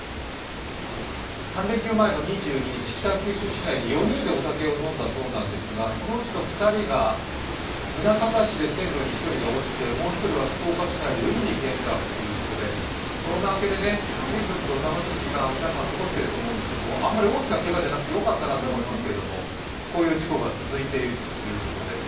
３連休前の２２日、北九州市内で４人でお酒を飲んだそうなんですがそのうちの２人が、宗像市で線路に１人が落ちて、もう１人は福岡市内で海に転落ということで、随分と楽しい時間を皆さん、過ごしてると思うんですけれどもあんまり大きなけがじゃなくてよかったなと思いますけれどもこういう事故が続いているということです。